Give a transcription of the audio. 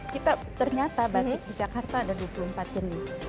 kita ternyata batik di jakarta ada dua puluh empat jenis